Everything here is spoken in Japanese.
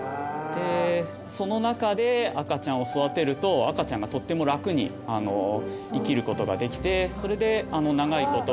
その中で赤ちゃんを育てると赤ちゃんがとっても楽に生きることができてそれで長いこと。